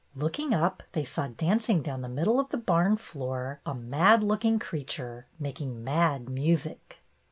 Looking up, they saw dancing down the middle of the barn floor a mad looking creature, making mad music.